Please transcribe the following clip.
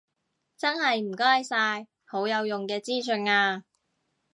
真係唔該晒，好有用嘅資訊啊